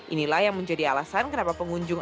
inilah yang menjadi alasan kenapa pengunjung